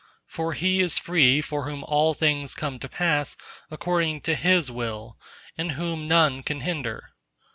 For he is free for whom all things come to pass according to his will, and whom none can hinder.